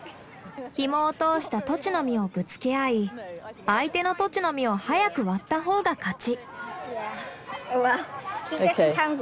ヒモを通したトチの実をぶつけ合い相手のトチの実を早く割った方が勝ち。